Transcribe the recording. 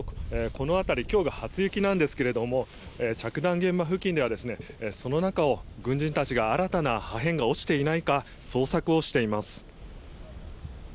この辺り今日が初雪ですが着弾現場付近では、その中を軍人たちが新たな破片が落ちていないか捜索をしています。